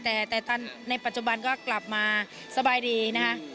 แต่ในปัจจุบันก็กลับมาสบายดีนะคะ